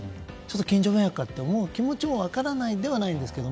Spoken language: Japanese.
近所迷惑かな？って思う気持ちも分からないでもないんですけど